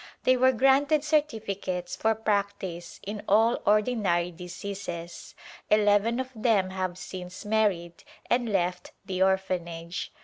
They were granted certificates for prac tice in all ordinary diseases. Eleven of them have since married and left the Orphanage.